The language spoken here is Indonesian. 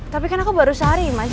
tapi kan aku baru sehari mas